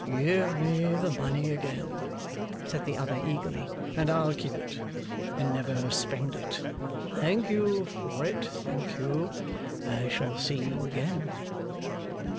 'Give me the money again,' said the other, eagerly, 'and I'll keep it, and never spend it. Thank you for it, thank you! I shall see you again?